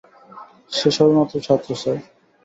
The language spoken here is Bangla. সে সবেমাত্র ছাত্র, স্যার।